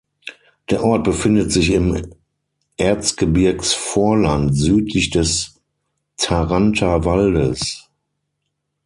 Der Ort befindet sich im Erzgebirgsvorland südlich des Tharandter Waldes.